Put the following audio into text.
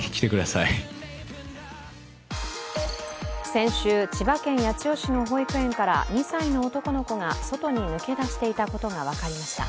先週、千葉県八千代市の保育園から２歳の男の子が外に抜け出していたことが分かりました。